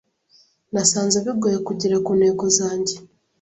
Nasanze bigoye kugera kuntego zanjye.